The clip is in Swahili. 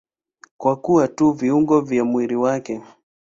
Kwa kuwa tu viungo vya mwili wake.